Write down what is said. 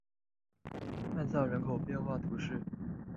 曼萨人口变化图示